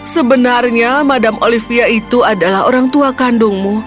sebenarnya madam olivia itu adalah orang tua kandungmu